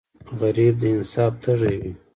غریب د انصاف تږی وي